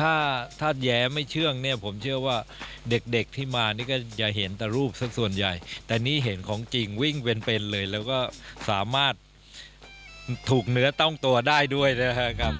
ถ้าถ้าแย้ไม่เชื่องเนี่ยผมเชื่อว่าเด็กที่มานี่ก็จะเห็นแต่รูปสักส่วนใหญ่แต่นี่เห็นของจริงวิ่งเป็นเลยแล้วก็สามารถถูกเนื้อต้องตัวได้ด้วยนะครับ